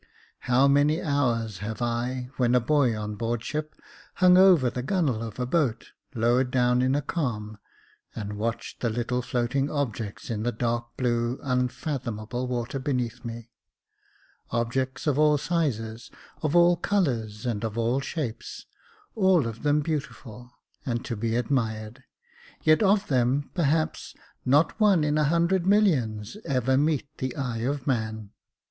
How many hours have I, when a boy on board ship, hung over the gunwale of a boat, lowered down in a calm, and watched the little floating objects in the dark blue un fathomable water beneath me ; objects of all sizes, of all colours, and of all shapes — all of them beautiful and to be admired j yet of them, perhaps, not one in a hundred millions ever meet the eye of man.